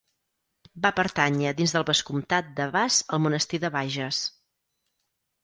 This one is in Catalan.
Va pertànyer dins del vescomtat de Bas al monestir de Bages.